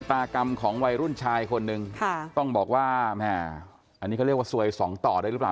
ตากรรมของวัยรุ่นชายคนนึงต้องบอกว่าแหมอันนี้เขาเรียกว่าซวยสองต่อได้หรือเปล่า